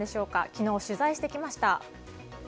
昨日、取材してきました。